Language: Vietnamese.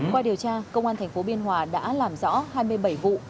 qua điều tra công an thành phố biên hòa đã làm rõ hai mươi bảy vụ